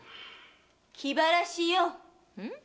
気晴らしよ。